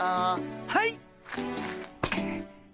はい。